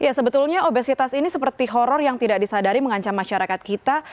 ya sebetulnya obesitas ini seperti horror yang tidak disadari mengancam masyarakat kita